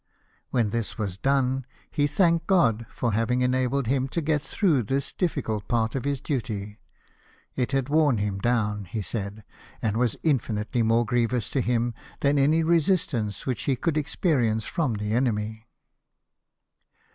When this was done, he thanked God for having enabled him to get through this difficult part of his duty. " It had worn him down," he said, "and was infinitely more grievous to him than any resistance which he could experience from the enemy."